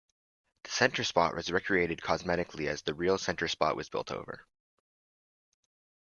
The centerspot was recreated cosmetically as the real centerspot was built over.